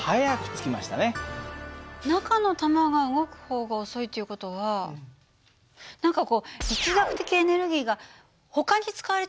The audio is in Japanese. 中の玉が動く方が遅いっていう事は何かこうすばらしい。